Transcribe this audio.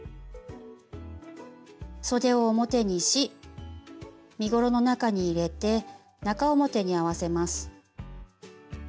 そでを表にし身ごろの中に入れて中表に合わせます。